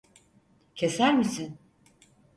Keser misin?